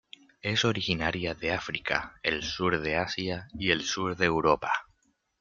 Es originaria de África, el sur de Asia y el sur de Europa.